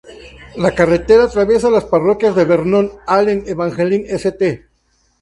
La carretera atraviesa las parroquias de Vernon, Allen, Evangeline, St.